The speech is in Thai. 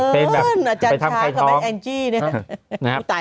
ผมกำลังคิดในใจว่าเอ๊ะถูกแม่งจะเอาเมียหรือเปล่า